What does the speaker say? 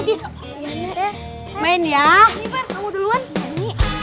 nih pak kamu duluan